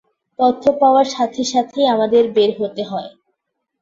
তথ্য পাওয়ার সাথে সাথেই আমাদের বের হতে হয়।